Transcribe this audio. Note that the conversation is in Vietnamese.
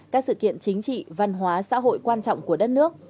các sự kiện chính trị văn hóa xã hội quan trọng của đất nước